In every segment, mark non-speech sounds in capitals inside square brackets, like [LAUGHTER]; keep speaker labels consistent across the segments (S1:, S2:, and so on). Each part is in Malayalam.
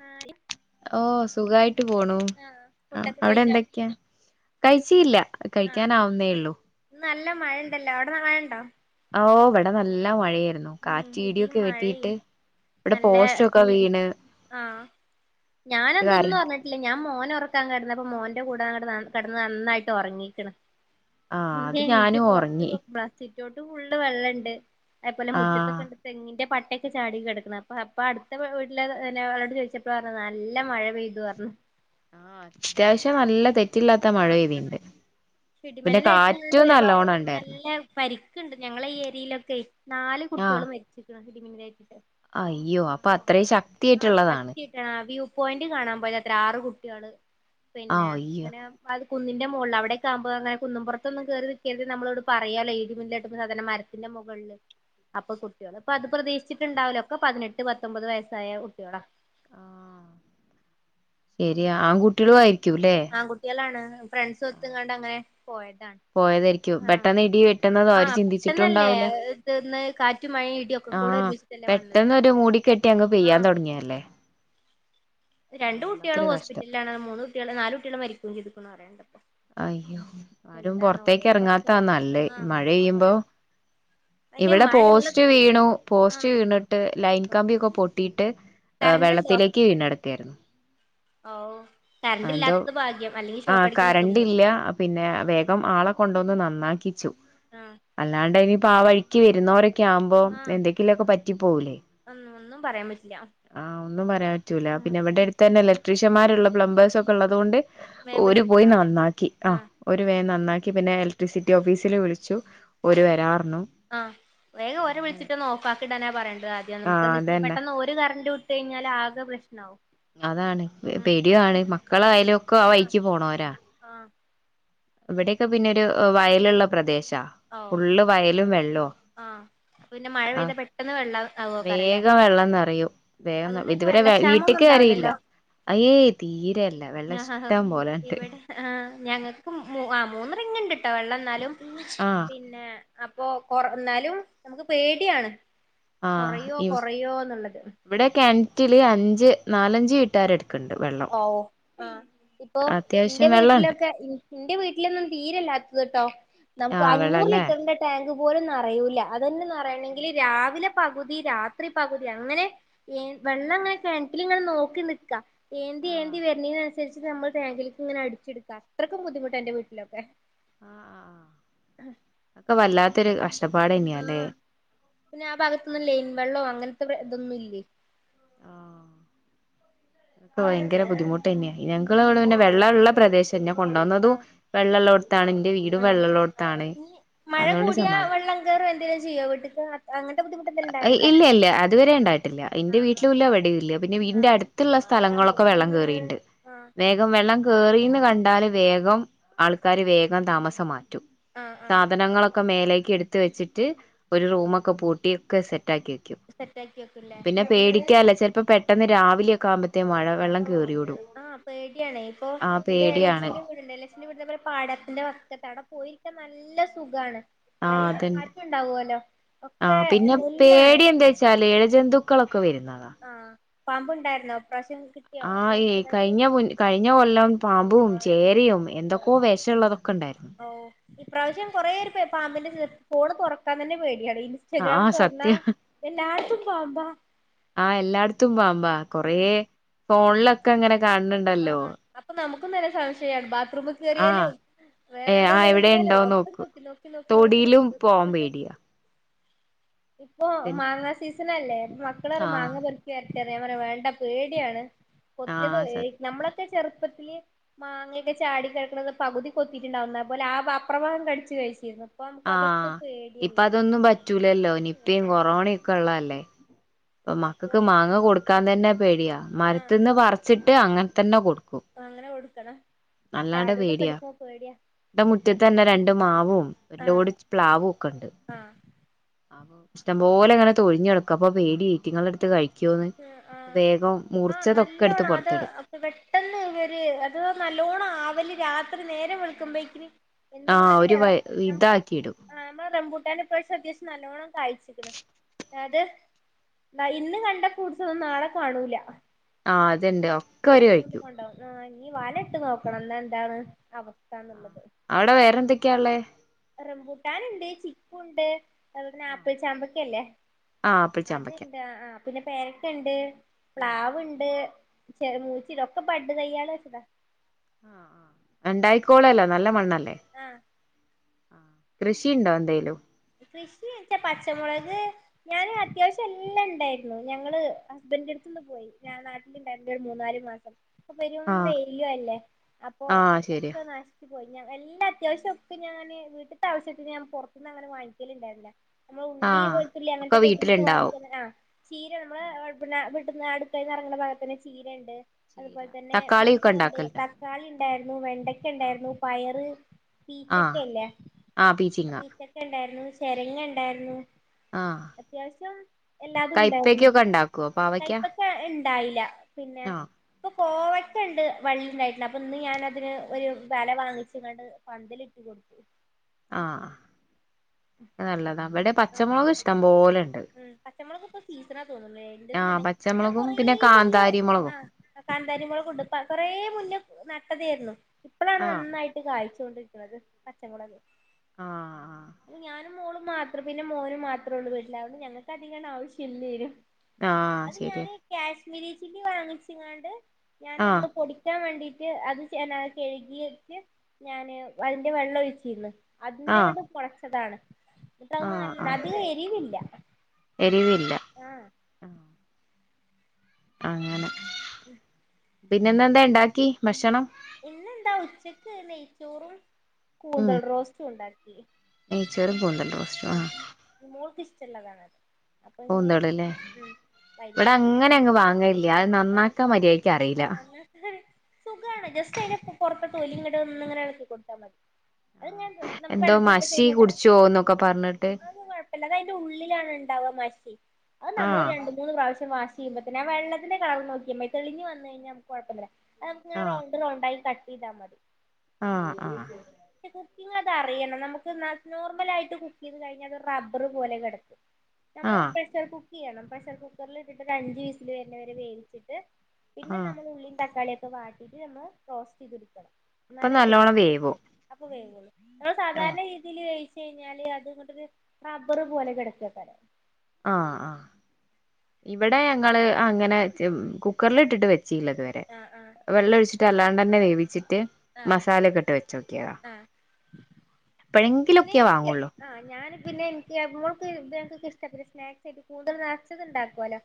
S1: ഹായ്
S2: ഓ സുഖായിട്ട് പോണു
S1: ആഹ് ഫുഡൊക്കെ
S2: അവിടെ
S1: കഴിച്ചോ
S2: എന്തൊക്കെയാ കഴിച്ചീല
S1: ആഹ്
S2: കഴിക്കാന ആാവുന്നേ ഉള്ളു
S1: നല്ല മഴ ഉണ്ടല്ലോ അവിടന്ന് മഴ ഉണ്ടോ
S2: ഓ ഇവിടെ നല്ല മഴയല്
S1: ഉ ഇടും മഴയും
S2: ഇവിടെ
S1: നല്ല
S2: പോസ്റ്റൊക്കെ വീണ്
S1: ആഹ
S2: ഒരു കാരണം
S1: ഞാനിതൊന്നുറഞ്ഞിട്ടില്ല ഞാൻ മോൻ ഉറക്കാൻ കിടന്നപ്പ മോന്റെ കൂടെ അങ്ങട്കിടന്ന് നന്നായിട്ട് ഉറങ്ങീിക്കണ്
S2: ആ അത്
S1: നീചേ
S2: ഞാനും ഉറങ്ങി
S1: പറത്തക്ക ബ്ര [INAUDIBLE] ങ്ങോട്ട് ഫുള്ള് വെള്ളണ്ട് അതപോലെ
S2: ആ
S1: മുറ്റത്തെക്കെണ്ട്തെങ്ങിന്റെ പട്ട ട്ടൊക്കെ ചാടികിടക്കണ് അപ്പ അപ്പൊ അടുത്ത വീട്ടിലഎന്ന അവളോട് ചോദിച്ചപ്പോ പറഞ്ഞത് നല്ല മഴ പെയ്തു പറുഞ്ഞു
S2: ആ അത്യാവശ്യം നല്ല പറ്റില്ലാത്ത മഴ പെയതിുണ്ട്
S1: ഇടിമിന്നലേക്കു ന്നതൊണ്ട് ഒരുപാട്
S2: ഉണ്ടായിരുന്നു
S1: നല്ല ക്കണ്ട് ഞങ്ങള ഏരിയയിലൊക്കെ നാല്
S2: ആ
S1: കുട്ടികളും മരിച്ചിരിക്കണ് ് [INAUDIBLE]
S2: അയ്യോ അപ്പൊ അത്രയും
S1: ആഹ്
S2: ശക്തിയായിട്ടുള്ളതാണ്
S1: ശക്തിയായിട്ടാണ് ആഹ് വ്യൂ പോയിന്റ് കാണാൻ പോയത് അത്ര ആറ് കുട്ട്യള്
S2: ആ
S1: പിന്നെ
S2: അയ്യോ
S1: അങ്ങനെ അത് കുന്നിന്റെ മുകള് അവിടെ ുമ്പോ അങ്ങെ കുന്നുംപുറത്തൊന്നും കേയറി നിിക്കക്കരുത് നമ്മളോട് പറയാല ഇടിമിന്നല് കേട്ടപ്പ സാധാരണ മരത്തിന്റെ മുകളില് അപ്പൊ കുട്ടികളള് അപ്പൊ അത് പ്രതീിച്ചിട്ടുണ്ടാവല്ലോ ഒക്കെ പതിനെട്ട് പത്തൊമ്പത്യസായ കുട്ടികളാ
S2: ആഹ ശരിയാ ആൺകുട്ടികളും ആയിരിക്കൂല്ലേ
S1: ആൺകുട്ടികൾ ആണ് ഫ്രണ്ട്സ് ഒത്തങ്ങാണ്ട അങ്ങനെ പോയതാണ്
S2: പോയതായിരിക്കും
S1: ആഹ്
S2: പെട്ടന്ന് ഇടി വെട്ടുന്നത അവര്
S1: ആഹ് പെട്ടെന്നല്ലേ
S2: ചിന്തിച്ചിട്ടുംണ്ടാവൂല
S1: ഇത്ന്ന് കാറ്റും മഴയും ഇടിയൊക്കെ കൂടെ
S2: ആഹ
S1: ഒരുമിച്ചിട്ടല്ലേ വന്നത്
S2: പെട്ടന്ന് ഒരു മൂടി കെട്ടി അങ്ങ് പെയ്യാൻ തുടങ്ങിയല്ലേ
S1: രണ്ടു കുട്ടികളെ ഹോസ്പിറ്റലിലാണ് മൂന്ന് കുട്ടികളെ നാല് കുട്ടികളെ മരിക്കയും ചെയ്തു ന്നിപ്പ പറയണേ
S2: അയ്യോ ആരും പുറത്തേക്ക്
S1: ഓരോരോ കഷ്ടകാലം
S2: ഇറങ്ങാത്താനല്ലത്
S1: ആഹ്
S2: മഴെയ്യുമ്പോ
S1: ഓരോ അയിന്
S2: ഇവിടെ
S1: മഴ ഇള്ള
S2: പോസ്റ്റ് വീണു
S1: ആഹ്
S2: പോസ്റ്റ് വീണിട്ട് ലൈൻകമ്പിയൊക്കെ പൊട്ടി ട്ടീട്ട് വെള്ളത്തിലേക്ക് വീണടക്കും ല്ലാരുന്നു
S1: ഓ കറണ്ട് ഇല്ലാത്തത് ഭാഗ്യം അല്ലെങ്കിൽ ഷോക്കടിക്കാൻ അതും മതി
S2: ണ്ടില്ല പിന്നെ വേഗം ആളെ കൊണ്ടുവന്ന് നന്ന നാക്കിച്ചു
S1: ആഹ്
S2: അല്ലാണ്ടയന് അപ്പൊ ആ വഴിക്ക് വരുന്നോര് ഒറ്റക്കാവുമ്പോ
S1: ആഹ്
S2: എന്തെക്കിലൊക്കെ പറ്റിപ്പോവുലേ
S1: ഒന്നും ഒന്നും പറയാൻ പറ്റില്ല
S2: ആ ഒന്നും പറയാൻ പറ്റൂല
S1: ഉം
S2: പിന്നെ ഇവടെഅടുത്തന്നെയല്ലേ ത്രിഷൻമാരുള്ള പ്ലമ്പേഴ്സൊക്കെ ഇള്ളതു കൊണ്ട്
S1: മേം
S2: ഓര്
S1: വ്ള്ച്
S2: പോയി നന്നാക്കി ആ ഒരു വെ നന്നാക്കി പി ന്നെ ഇലക്ട്രിസിറ്റി ഓഫീസില് വിളിച്ചു ഓർ വെറാർഞ്ഞു
S1: ആഹ് വേഗം ഓരെ വിളിച്ചിട്ടൊന്ന് ഓഫാക്കിടാനാ പറയേണ്ടത് ആ ദ്യം യ്യാ നമുക്
S2: ആഹ്
S1: എന്തെച്ചാ
S2: അതന്നെ
S1: പെട്ടെന്ന് ഒരു കരണ്ട് വിട്ടു കഴിഞ്ഞാൽ ആകെ പ്രശ്ന [INAUDIBLE]
S2: അതാണ് പേടിയോണ് മക്കളായാലും ഒക്കെ ആ
S1: ആഹ്
S2: വഴിക്ക് പോണോരാ
S1: ആഹ്
S2: ഇവിടെ ഒക്കെ പിന്നൊരു വയലുള്ള പ്രദേശ് ടാ
S1: ഓഹ്
S2: ഫുള്ള് വയലും വെ െ. ള്ളാം
S1: ആഹ് പിന്നെ മഴ
S2: ആ
S1: പെയ്താ പെട്ടെന്ന് വെള്ളം ആവോക്കാരല്ലേ
S2: വേഗം വെള്ളംനിറയും
S1: അതുകൊണ്ട്
S2: വേഗം
S1: നിങ്ങക്ക്
S2: ഇതുവരെ
S1: വെള്ളക്ഷാമം
S2: വീട്ടി
S1: ഒന്നും
S2: കയറി യില്ല
S1: ഉണ്ടാവില്ലല്ലോ
S2: അയേ തീരെ അല്ല വെള്ള ഇഷ്ടം പോലെഒ ണ്ട്.
S1: ഞങ്ങക്കും മൂആ വെള്ളം എന്നാലും
S2: ആഹ്
S1: പിന്നെ അ ബോക് കൊറ് ന്നാലും നമുക്ക് പേടിയാണ്
S2: ആഹ്
S1: കൊറയോ
S2: ഇവ്
S1: കൊറയോ എന്നുള്ളത്
S2: ഇവിടെ കെൻറ്റില് അഞ്ച് നാലഞ്ച് വീട്ടുകാര് എട്
S1: ഔ. ഇപ്പോ
S2: അത്യാവശ്യം
S1: ഇന്റെ
S2: വെള്ളണ്ട്
S1: വീട്ടിലൊക്കെ ഇന്റെ വീട്ടിലൊന്നും തീരെ ഇല്ലാത്തത് ട്ടോ നമുക്ക്
S2: ആഹ്
S1: അഞ്ഞൂറ്
S2: വെള്ളല്ലേ
S1: ലിറ്ററിന്റെ ടാങ്ക് പോലും നറയൂല. അതന്നെ നറയണെങ്കിൽ രാവിലെ പകുതി രാത്രി പകുതി അങ്ങനെ വെള്ള അങ്ങനെ കെൻറ്റിൽ ഇങ്ങനെ നോക്കി നിക്കാ
S2: ആഹ്
S1: ഏന്തിഏന്തി വര്ണീനന്സരിച്ച് നമ്മൾ ടാങ്കിൽക്ക്ങ്ങനെ അടിച്ചെടുക്കാ. അത്രയ്ക്കും ബുദ്ധിമുട്ടാ ഇന്റെ വീട്ടിലൊക്കെ
S2: ആ ആ ആ ഒക്കെ വല്ലാത്തൊരു കഷ്
S1: ആ പിന്നെ ആ ഭാഗത്തൊന്നും ലയിൻ വെള്ളോ അങ്ങനെ ഇത് അവിടെ അതൊന്നും ഇല്ലേ
S2: ഇനിക്ക് ഭയങ്കര ബുദ്ധിമു തന്നെയ ഞങ്ങള് പിന്നെ വെള്ള ഒള്ളെ പ്രദേശം
S1: ആ
S2: എന്നെകൊണ്ടുവന്നതും വെള്ള ഒള്ളോടുത്ത എന്റെ വീടും
S1: ആ
S2: വെള്ളള്ളോടത്താണ്
S1: ഇനി മഴ
S2: അതുകൊണ്ട്
S1: കൂടിയാ
S2: സമാധാനം
S1: വെള്ളം കേറും എന്തെങ്കിലും ചെയ്യോ വീട്ട്ക്ക് അങ്ങനത്തെ ബുദ്ധിമുട്ട് എന്തേലും ഉണ്ടാവലുണ്ടോ
S2: ഇല്ല ഇല്ല അതുവരെ ഉണ്ടായിട്ടില്ല എന്റെ
S1: ആ ആ
S2: വീട്ടിലും ഇല്ല എവിടേയും ഇല്ല പിന്നെ
S1: ആ
S2: വീടിന്റെ അടുത്തുള്ള സ്ഥങ്ങളൊക്കെ വെള്ളം കേറിനു
S1: ആഹ്
S2: വേഗം വെള്ളം കേറീന്ന് കണ്ടാല് വേഗം ആൾക്കാര് വേഗം താമസമാ റ്റും
S1: ആഹ് ആഹ്
S2: സാധനങ്ങളൊക്കെ മേലേ എടുത്ത് വെച്ചിട്ട് ഒരു റൂമൊക്കെ പൂട്ടി ക്കെ സെ റ്റ ആക്കി വെക്കും
S1: സെറ്റാക്കി വെക്കുംല്ലേ
S2: പിന്നെ പേടിക്കാല്ലെ ചിലപ്പോ പെട്ടെന്ന് രാവിലെ ഒക്കെ ആകുമ്പെ മഴ വെള്ളം
S1: ആ പേടിയാണേ ഇപ്പൊ
S2: ആ
S1: എന്റെ
S2: പേടിയാണ്
S1: എളയച്ചിന്റെ വീട്ണ്ട് എളയച്ചിന്റെ വീട് പാടത്തിന്റെ വക്കത്താ ആണ് പോയിരിക്കാൻ നല്ല സുഖാണ്
S2: ആ
S1: നല്ല
S2: അത്ണ്ട്
S1: കാറ്റുണ്ടാവുവല്ലോ
S2: ആ
S1: ഒക്കെ
S2: പിന്നെ
S1: നെല്ലാണ്
S2: പേടി എന്താച്ചാല് എഴജന്തുക്കളൊ ഒക്കെ വരുന്നതാ
S1: പാമ്പ് ഉണ്ടായിരുന്നോ
S2: ആ എ കഴിഞ്ഞ കഴിഞ്ഞ കൊല്ലം പാമ്പും ചേരയും എന്തൊക്കോ വേഷ ഉള്ളതോ
S1: ഓ ഇപ്രാവശ്യം കൊറേ പാമ്പിന്റെ ഫോണ് തെറക്കാൻ തന്നെ പേടി
S2: ആ ആ സത്യ
S1: എല്ലായിടത്തും പാമ്പാ
S2: ആ എല്ലായിടത്തും പാമ്പാ കൊറേ
S1: ഉം
S2: ഫോൺ ലൊക്കെ ലെങ്ങനെ കണ്ഉണ്ടല്ലോ
S1: ആഹ് അപ്പൊ നമുക്കും സംശയമാ ബാത് റൂംക്ക് കേറിയാലും
S2: ഏ
S1: വേറെ എവിടേലും
S2: ആഹ് എവിടെ
S1: ഇറങ്ങിയാലും
S2: ഉണ്ടോ
S1: ഒക്കെ
S2: നോക്കും
S1: നോക്കി നോക്കി നോക്കി നോക്കി
S2: തൊടിയിലും
S1: നടക്കും
S2: പോവാൻ പേടിയാ
S1: ഇപ്പോ
S2: പിന്നെ
S1: മാങ്ങാ സീസ്- ഇതിനല്ലേ മക്കളരു
S2: ആഹ്
S1: മാങ്ങ പെർക്കിയായിരുന്നു ചെറിയ പറ വേണ്ട പേടിയാണ് കൊത്തിയത്
S2: ആഹ് സ
S1: നമ്മളൊക്കെ ചെറുപ്പത്തില് മാങ്ങയൊക്കെ ചാടികിക്കണ പകുതി കൊത്തിട്ടുണ്ടാവുന്ന അതുപോലെ ആ അപ്രവാഹം കടിച്ച് കഴിച്ചിരുന്നു അപ്പൊ നമുക്ക്
S2: ആ
S1: അതൊക്കെ
S2: ഇപ്പ
S1: പേടിയല്ലേ
S2: അതൊന്നും പറ്റൂലല്ലോ നിപ്പിം കൊറോണൊക്കെ ഉള്ളല്ലേ ഇപ്പൊ
S1: അപ്പൊ
S2: മക്കക്ക് മാങ്ങ കൊടുക്കാൻ ന്നെ പേടിയാ
S1: ആഹ്
S2: മരത്ത്ന്ന് പറച്ച് അങ്ങനെ തന്നെ കൊട് ക്കും
S1: അങ്ങനെ കൊടുക്കണം
S2: അല്ലാണ്ടെ
S1: ചാടിയതൊക്കെ
S2: പേടിയാ
S1: എടുക്കുമ്പോ പേടിയാ
S2: ന്റെ മുറ്റത്ത് തന്നെ രണ്ടു മാവും
S1: ആഹ്
S2: എല്ലോടി പ്ലാവക്കെ ഇണ്ട്
S1: ആഹ്
S2: അപ്പൊ ഇഷ്ടംപോലങ്ങനെ തൊഴിഞ്ഞടുക്ക. അപ്പ പേടിയാ ഈറ്റിങ്ങൾ എടുത്ത് കഴിക്
S1: ഉം ആ ആ
S2: എടുത്ത്
S1: നല്ലോണത്
S2: പുറത്തിടും
S1: അപ്പ പെട്ടെന്ന് ഇവര് അത് നല്ലോണം ആവല് രാത് ത്രി നേരം വെള്ക്ക്മ്പേക്കിന്
S2: ആഹ് ഒരു
S1: എന്ത്മാതിരിയാടാ?
S2: വ
S1: നമ്ക്ക്
S2: ഇതാക്കി ഇടും
S1: ആ നമ്മള റംമ്പൂട്ടാന് ഇപ്രാവശ്യം അത്യാവശ്യം നല്ലോണം കായ്ച്ചിക്ക്ണ്. അത് ആ ഇന്ന് കണ്ട കുടിച്ചതൊന്നും നാളെ കാണൂല
S2: ആ അത്ണ്ട്
S1: ഒക്കെ
S2: ഒക്കെവര്
S1: എടുത്തോണ്ട്
S2: കഴിക്കും
S1: കൊണ്ടോവും ആഹ് ഇനി വല ഇട്ട് നോക്കണം എന്ന എന്താണ് അവസ്
S2: ആ അവിടെ വേറെന്തൊക്കെയാള്ളെ?
S1: റംബൂട്ടാനിണ്ട് ചിക്കു ഉണ്ട് അത്പോലത്തന്നെ
S2: ആഹ്
S1: ആപ്പിൾ ചാമ്പക്ക ഇല്ലേ?
S2: ആപ്പിൾ ചാമ്പക്ക
S1: അതിണ്ട് ആ പിന്നെ പേരയ്ക്കണ്ട് പ്ലാവ്ണ്ട് ചെ മൂച്ചി ഇതൊക്കെ ബഡ്ഡ് തയ്യാള്ച്ചതാ
S2: ആ ആ ഇണ്ടായിക്കോളുവല്ലൊ നല്ല മണ്ണൽ
S1: ആഹ്
S2: ആ കൃഷിണ്ടോ എന്തേലും?
S1: കൃഷീച്ചാ പച്ചമൊളക്, ഞാൻ അത്യാവശ്യെല്ലണ്ടേര്ന്നു. ഞങ്ങള് ഹസ്ബന്റട്ത്തൊന്ന് പോയി. ഞാൻ നാട്ടിലിണ്ടായിര്ന്നില്ല ഒരു മൂന്നാല് മാസം പെരും
S2: ആഹ്
S1: വെയിലു അല്ലേ. അപ്പൊ
S2: ആഹ് ശരിയാ
S1: ഒക്കെ നശിപ്പിച് പോയി ഞ എല്ലത്യാവശ്യം ഒക്കെ ഞാന് വീട്ട്ത്തെ ആവശ്യത്തിന് ഞാൻ പൊറത്ത്ന്ന്ങ്ങനെ വാങ്ങിക് ക്കല് ഇണ്ടായിര്ന്നില്ല നമ്മളെ ഉള്ളി
S2: ആഹ്
S1: വെളുത്തുള്ളി
S2: ഒക്കെ
S1: അങ്ങനത്തെക്കെ ഐറ്റംസ്
S2: വീട്ടിലുണ്ടാവും
S1: വാങ്ങിക്കാന് ആ, ചീര നമ്മള് പിന്നെ [UNINTELLIGIBLE] അട്ക്കളന്നെറങ്ങ്ന്ന ഭാഗത്തന്നെ ചീര ഇണ്ട്
S2: ചീര
S1: അത്പോലത്തന്നെ
S2: തക്കാളി ഒക്കെ
S1: മുരിങ്ങ ഇണ്ട്
S2: ഉണ്ടാക്കലുണ്ടോ
S1: തക്കാളി ഇൺ ണ്ടായിരുന്നു വെൺ ണ്ടക്ക ഇണ്ടാര്ന്നു. പയറ് പീച്ചക്ക
S2: ആഹ്
S1: ഇല്ലേ?
S2: ആഹ്
S1: ആ
S2: പീച്ചിങ്ങ
S1: പീച്ചക്ക ഇണ്ടാര് ചെരങ്ങ ഇണ്ടായ്രുന്നു
S2: ആഹ്
S1: അത്യാവശ്യം എല്ലാതും ഇണ്ടായ്രുന്നു.
S2: കൈപ്പക്കൊക്കെ ഉണ്ടാക്കുവോ പാവയ്ക്ക
S1: കൈപ്പക്ക ഇണ്ടായില്ല. പിന്നെ
S2: ആഹ്
S1: കോവയ്ക്കണ്ട് വള്ളിണ്ടായിട്ട്ണ്ട്. അപ്പൊ ഇന്ന് ഞാനതിന് ഒരു വല വാങ്ങിച്ച്ങ്ങാണ്ട് പന്തലിട്ട് കൊടുത്തു.
S2: ആഹ് അത് നല്ലതാ ഇവിടെ
S1: ആ
S2: പച്ചമുളക് ഇഷ്ടം പോലെണ്ട്
S1: ഉം പച്ചമൊളകിപ്പ സീസണാ തോന്നുന്നേ. ഇന്റെതും
S2: ആഹ്
S1: തന്നെ, ഞാൻ
S2: പച്ചമുളകും
S1: കൊറേ
S2: പിന്നെ
S1: മുന്നേ,
S2: കാന്താരി മുളകും
S1: ആ കാന്താരിമൊളകും ണ്ട്. പ്പ കൊറേ മുന്നേ ന ട്ടതേര്ന്നു ഇപ്പളാണ്
S2: ആഹ്
S1: നന്നായിട്ട് കായ്ച് ചോണ്ടിരിക്ണത് പച്ചമൊളക്
S2: ആഹ്
S1: ഇനി ഞാൻ ഉം മോളും മാ അത്ര പിന്നെ മോന് മാത്രള്ളൂ വീട്ടില് അതുകൊണ്ട് ഞങ്ങൾക്ക് അധികാണ്ട് ആവശ്യം ഇല്ലേനു
S2: ആ ശെരിയാ
S1: ശ്മീരി ചില്ലി വാങ്ങിച്ച്ങ്ങാണ്ട് ഞാൻ
S2: ആഹ്
S1: നമ്മള് പൊടിക്കാൻ വേണ്ടി അത് ച ന്നാ കഴ്കിയിട്ട് ഞാന് അതിന്റെ വെള്ളം ഒഴ്ച്ചീന്ന്
S2: ആഹ്
S1: അതിന്റെങ്ങട് പ അതാണ് ഇതാകുമ്പോ
S2: ആഹ്
S1: നൽ
S2: ആഹ്
S1: അധികം എരിവില്ല
S2: എരിവില്ല
S1: ആ
S2: അങ്ങനെ പിന്നെന്നെന്തേണ്ടാക്കി ഭഷണം
S1: ഇന്നെന്താ ഉച്ചക്ക് നെയ്ച്ചോറും കൂന്തൾ റോസ്റ്റുണ്ടാ ക്കി
S2: ടീച്ചറ് [UNINTELLIGIBLE]
S1: ടല്ലതാണത് അപ്പൊഞ്ഞ് ഉം
S2: ഇവിടെ അങ്ങനെ അങ്ങ്
S1: വൈന്നാര്ത്ത്നെന്തെങ്കിലും
S2: വാങ്ങലില്ല അത്
S1: ആ
S2: നന്നാക്കാൻ മര്യാദക്ക് അറിയില്ല
S1: ആ അങ്ങ സുഖാണ് ജസ് പൊർത്തെ തൊലി ഇങ്ങട് ഒന്ന്ങ്ങനെ എളക്കി കൊട്ത്താ മതി അത്ങ്ങനെ നമുക്ക്
S2: എന്തോ
S1: വെള്ളത്തിൽ ഇട്ട് വെച്ച്
S2: മഷി
S1: കഴിഞ്ഞാൽ
S2: കുടിച്ചോന്നൊക്കെ പറഞ്ഞിട്ട്
S1: അത് കൊഴപ്പല്ല അത് അതിന്റെ ഉള്ളിലാണ് ഉണ്ടാവാ മഷി അത് നമ്മൾ
S2: ആഹ്
S1: രണ്ട് മൂന്ന് പ്രാവശ്യം വാഷ് ചെയ്യുമ്പ തന്നെ ആ വെള്ളത്തിന്റെ കളറ് നോക്കിയാ മതി തെളിഞ്ഞു വന്ന് കഴിഞ്ഞാ കൊഴപ്പല്ല [UNINTELLIGIBLE] കട്ട്യ്താ മതി
S2: ആ ആ
S1: പക്ഷെ കുക്കിംഗ് അത് അറിയണം നമുക്ക് നോർമലായിട്ട് കുക്ക് ചെയ്ത് കഴിഞ്ഞാ അത് റബ്ബർ പോലെ കെടക്കും നമ്മള്
S2: ആഹ്
S1: പ്രഷർ കുക്ക് ചെയ്യണം പ്രഷർ കുക്കറിൽ ഇട്ടിട്ട് ഒരു അഞ്ച് വീസിൽ വരുന്നവരെ വേവിച്ചിട്ട് പിന്നെ
S2: ആഹ്
S1: നമ്മള് ഉള്ളീം തക്കാളി വാട്ടി ഇത് നമ്മൾ റോസ്റ്റ് ചെയ്തെടുക്കണം.
S2: അപ്പൊ
S1: എന്നാലെ
S2: നല്ലോണം
S1: ടേസ്റ്റ്
S2: വേവും
S1: അപ്പൊ വേവുള്ളൂ നമ്മള്
S2: ആഹ്
S1: സാധാരണ രീതിയില് വേവി കഴിഞ്ഞാല് അത്ങ്ങോട്ടൊരു റബ്ബർ പോലെ കിടക്കയ്ക്കാരം.
S2: ആഹ് ആഹ് ഇവിടെ ഞങ്ങള് അങ്ങനെ കുക്കറിൽ ഇട്ടിട്ട് വെ ചില്ല ഇതുവരെ
S1: ആഹ് ആഹ്
S2: വെള്ളം ഒഴി അല്ലാടന്നെ വേവിച്ച ട്ട്
S1: ആഹ്
S2: മസാല കെട്ട് വെ ചോക്കിയാ
S1: ആഹ് പിന്നെ
S2: എപ്പഴിങ്കിലോക്കെ
S1: എനിക്ക്
S2: വാങ്ങൊള്ളൂ
S1: ആഹ് ഞാൻ പിന്നെ എനിക്ക് [UNINTELLIGIBLE] ഇഷ്ടപ്പെട്ട സ്നാക്സ് കൂടുതൽ സ്നാക്സ് ഉണ്ടാക്കൊല്ലോ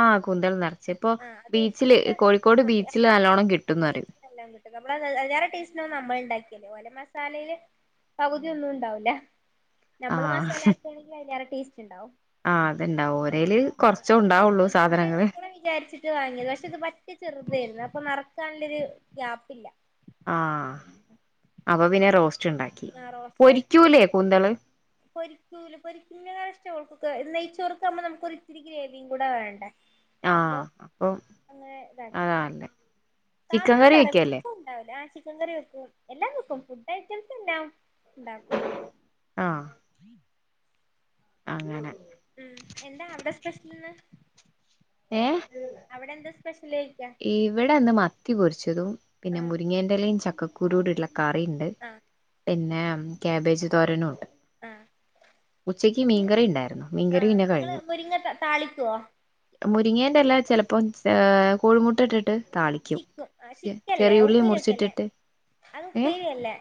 S2: ആ
S1: ആ അത് ഇഷ്ടം പക്ഷെ
S2: കോഴിക്കോട് ബീച്ചില് നല്ലോണം കിട്ടുംന്ന് പറയും
S1: എല്ലാം കിട്ട അ വേറെ ടേസ്റ്റിനന്ന് നമ്മൾ ഉണ്ടാക്കി ഓലെ മസാലയില് പകുതിയാന്നും ഉണ്ടാവൂല നമ്മള് മസാലാക്കക്കുകയാണെങ്കി അയ്ലാറേ
S2: ആ അത്ണ്ടാവും ഓരൽ
S1: ആഹ്
S2: കൊറച്ച
S1: ഇത്
S2: ഉണ്ടാവുള്ളൂ
S1: ഞങ്ങൾ അങ്ങനെ
S2: സാധനങ്ങള്
S1: ആക്കണം വിചാരിച്ചിട്ട് വാങ്ങിയത പക്ഷെ ഇത് പറ്റി ചെറുതായിരുന്നു അപ്പൊ നറക്കാനുള്ള ഒരു ഗ്യാപ്പില്ല
S2: ആ അപ്പൊ പിന്നെ റോസ്
S1: ആ റോസ്റ്റാക്കി പൊരിക്കൂല്ല പൊരിക്കറെ ഇഷ്ട ഓൾക്ക് നെയ്യ്ച്ചോറ്ക്കാവുമ്പോ നമുക്കോര് ഇത്തിരി ഗ്രേവിയും കൂടെ വേണ്ടേ അപ്പൊ അങ്ങനെ ഇതാക്കി
S2: അതാ നല്ലേ ചിക്കൻ കറി വെക്കല്ലേ
S1: ഞാൻ ചിക്കൻ കറി വെക്കും എല്ലാം വെക്കും ഫുഡ് ഐറ്റംസ് എല്ലാം ണ്ടാക്കും
S2: ആഹ് അങ്ങനെ
S1: മ് എന്താ അവിടെ സ്പെഷൽന്ന് അവിടെ എന്താ സ്പെഷ്യല്
S2: ഇവിടെന്ന് മത്തി പൊരിച്ചതും പിന്നെ
S1: ആഹ്
S2: മുരിങ്ങേന്റെലയും ചക്ക [UNINTELLIGIBLE] ക്ക കുരൂടെ ഇള കറിണ്ട്
S1: ആഹ്
S2: പിന്നെ മ് ക്യാബേജ് തോരനോണ്ട്
S1: ആ
S2: ഉണ്ടായിരുന്നു
S1: ആ
S2: മീൻകറി പിന്നെ
S1: നിങ്ങള്
S2: കഴിഞ്ഞു
S1: മുരിങ്ങക്ക താളിക്കുവോ
S2: മുരിങ്ങേന്റെല ചിലപ്പോ ചേ കോഴിമുട്ട ഇട്ടിട്ട് താളിക്കും
S1: ചിക്കും ആ ചിക്കല്ലേ
S2: ചെറിയുള്ളി
S1: ഉപ്പേരി ഒക്കല്ലേ
S2: മുറിച്ചിട്ടിട്ട്
S1: അത്
S2: ഏ
S1: ഉപ്പേരിയല്ലേ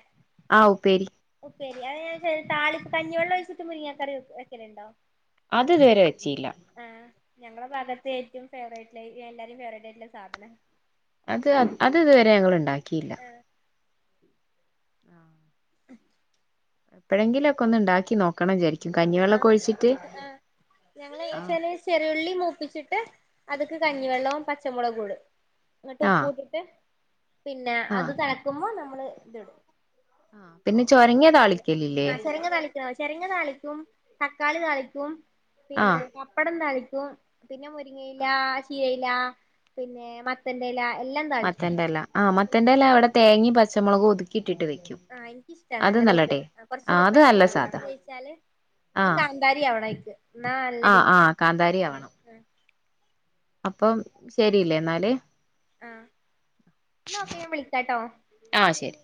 S2: ആ ഉപ്പേരി
S1: ഉപ്പേരി അ ഞാൻ താളി കഞ്ഞിവെള്ളം ഒഴിച്ചിട്ട് മുരിങ്ങക്കറി വെക്കലുണ്ടോ
S2: അത് ഇതുവരെ വെച്ചില്ല
S1: ഞങ്ങളുടെ ഭാഗത്ത് ഏറ്റവും ഫേവറേറ്റായിട്ട് എല്ലാരും ഫേവറേറ്റായിട്ടുള്ള സാധനം
S2: അത് അത് ഇതുവരെ ഞങ്ങ ഉണ്ടാക്കി ക്കില്ലാ
S1: ആഹ്
S2: എപ്പെഴെങ്കിലും ഒക്കെ ഒന്ന് ഇണ്ടാക്കി നോക്കണം വിചാരി
S1: ആ ആ ഞങ്ങൾ
S2: ആ
S1: നെച്ചാൽ ചെറുള്ളി മൂപ്പിച്ചിട്ട് അത്ക്ക് കഞ്ഞിവെള്ളോം പച്ചമുളകും ഇടും ഇന്നട്ട്
S2: ആ
S1: ഉപ്പും ഇട്ടിട്ട് പിന്നെ അത് തെളക്കുമ്പോ ന നമ്മൾ ഇത് ഇടും
S2: ആ പിന്നെ ചോരങ്ങ താളിക്കലില്ലേ
S1: ക്കും തക്കാളി താളിക്കും
S2: ആ
S1: പിന്നെ പപ്പടം തളി ക്കും പിന്നെ മുരിങ്ങ ഇല
S2: ആ
S1: ചീര പിന്നെ മത്തന്റെഎല
S2: മത്തെന്റെ എല ആ മത്തെന്റെ എല അവിടെ തേങ്ങിയിം പച്ചമൊളകും ഒത്ക്കി
S1: ആ ഇനക്ക് ഇഷ്ടാണ് അങ്ങനെ വെക്ക് കൊറചൊക്കെ
S2: ആഹ് അത്
S1: പച്ച
S2: നല്ല
S1: വെളിച്ചെണ്ണി
S2: സാധ
S1: കൂടി ഒഴിച്ചാൽ അഹ്
S2: ആഹ്
S1: കാന്താരിയാവണം അയ്ക്ക് ന്നാ നല്ല
S2: ആഹ്
S1: ടെസ്റ്റാ
S2: ആഹ് കാന്താരി ആവണം അപ്പം ശരിയിലെ ഇന്നാൽ
S1: ആ ന്നാ ഓക്കെ ഞാൻ വിളിക്കാട്ടോ
S2: ആഹ് ശരി